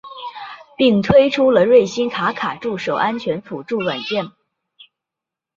并推出了瑞星卡卡助手安全辅助软件。